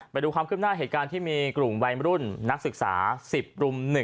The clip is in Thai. ไปดูความขึ้นหน้าเหตุการณ์ที่มีกลุ่มวัยรุ่นนักศึกษา๑๐รุม๑